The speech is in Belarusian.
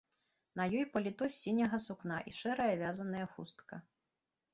На ёй паліто з сіняга сукна і шэрая вязаная хустка.